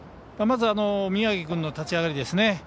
まず宮城君の立ち上がり。